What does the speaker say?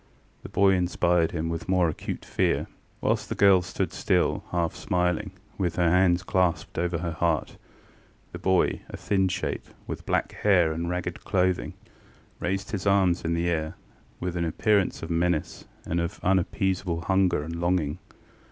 The boy inspired him with more acute fear. Whilst the girl stood still, half smiling, with her hands clasped over her heart, the boy, a thin shape, with black hair and ragged clothing, raised his arms in the air with an appearance of menace and of unappeasable hunger and longing.